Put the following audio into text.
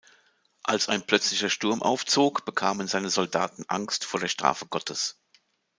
Als ein plötzlicher Sturm aufzog, bekamen seine Soldaten Angst vor der Strafe Gottes.